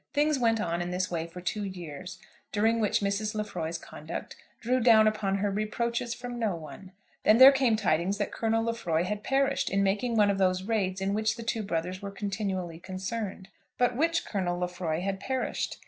Things went on in this way for two years, during which Mrs. Lefroy's conduct drew down upon her reproaches from no one. Then there came tidings that Colonel Lefroy had perished in making one of those raids in which the two brothers were continually concerned. But which Colonel Lefroy had perished?